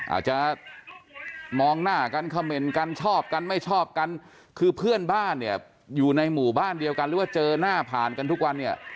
อาจจะมองหน้ากันเขม่นกันชอบกันไม่ชอบกันคือเพื่อนบ้านเนี่ยอยู่ในหมู่บ้านเดียวกันหรือว่าเจอหน้าผ่านกันทุกวันเนี่ย